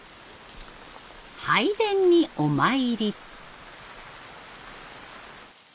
拝殿にお参り。